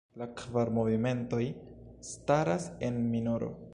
La kvar movimentoj staras en minoro.